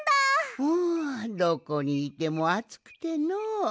んどこにいてもあつくてのう。